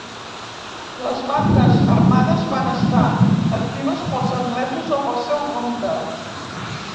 Les bandes armades van estar actives pels anglesos o pel seu compte.